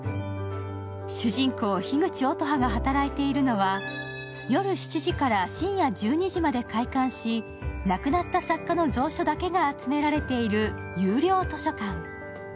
主人公・樋口乙葉が働いているのは夜７時から深夜１２時まで開館し亡くなった作家の蔵書だけが集められている有料図書館。